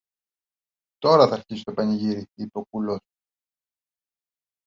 Τώρα θ' αρχίσει το πανηγύρι, είπε ο κουλός.